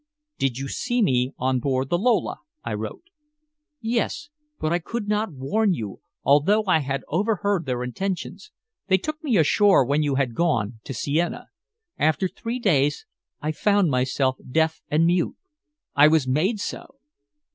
"Did you see me on board the Lola?" I wrote. "Yes. But I could not warn you, although I had overheard their intentions. They took me ashore when you had gone, to Siena. After three days I found myself deaf and dumb I was made so."